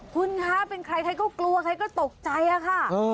คุณคะเป็นใครใครก็กลัวใครก็ตกใจอะค่ะ